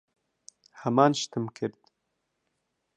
ھەمان شتم کرد.